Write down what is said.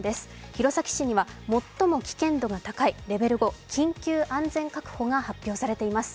弘前市には最も危険度が高いレベル５、緊急安全確保が発表されています。